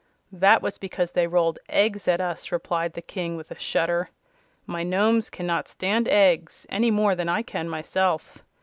"That was because they rolled eggs at us," replied the King, with a shudder. "My Nomes cannot stand eggs, any more than I can myself.